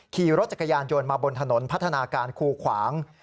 ขี่รถจักรยานยนต์มาบนถนนพัฒนาการคูขวาง